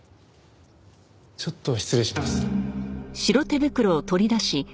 ちょっと失礼します。